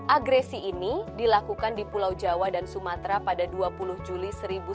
agresi ini dilakukan di pulau jawa dan sumatera pada dua puluh juli seribu sembilan ratus sembilan puluh